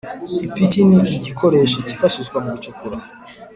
Ipiki ni igikoresho kifashishwa mu gucukura